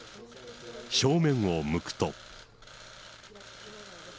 正面を向くと。